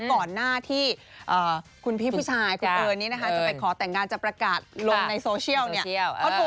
ก่อนหน้าที่คุณพี่ผู้ชายคุณเอิญนี้นะคะจะไปขอแต่งงานจะประกาศลงในโซเชียลเนี่ย